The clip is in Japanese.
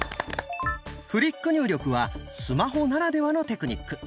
「フリック入力」はスマホならではのテクニック。